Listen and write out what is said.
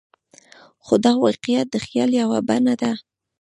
خو دا واقعیت د خیال یوه بڼه ده.